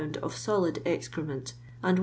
of solid excrement and 1^ lb.